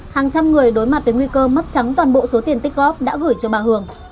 hàng trăm người đối mặt với nguy cơ mất trắng toàn bộ số tiền tích góp đã gửi cho bà hường